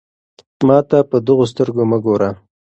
ما ته په دغو سترګو مه ګوره.